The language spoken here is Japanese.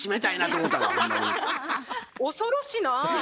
恐ろしなぁ。